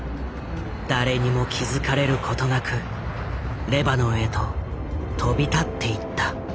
誰にも気付かれることなくレバノンへと飛び立っていった。